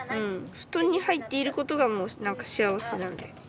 布団に入っていることがもう何か幸せなんで。